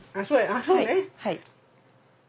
あそうね！